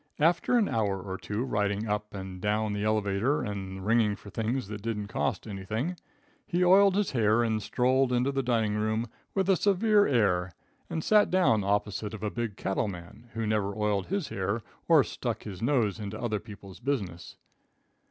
After an hour or two spent in riding up and down the elevator and ringing for things that didn't cost anything, he oiled his hair and strolled into the dining room with a severe air and sat down opposite a big cattle man, who never oiled his hair or stuck his nose into other people's business.